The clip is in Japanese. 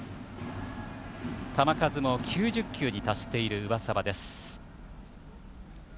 球数も９０球に達している上沢です。